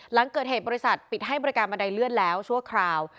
หลังเกิดเหตุบริษัทปิดให้บริการบันไดเลื่อนแล้วชั่วคราว